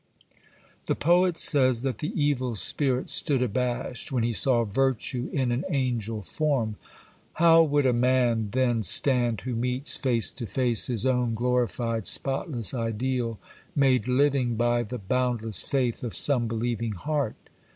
The poet says that the Evil Spirit stood abashed when he saw virtue in an angel form! How would a man, then, stand, who meets face to face his own glorified, spotless ideal, made living by the boundless faith of some believing heart?